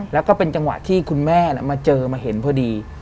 แล้วก็เป็นจังหวะที่คุณแม่มาเจอมาเห็นพอดี